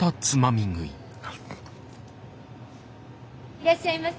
いらっしゃいませ。